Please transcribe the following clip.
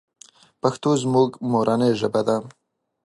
پښتو زمونږ مورنۍ ژبه ده.